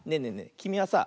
きみはさ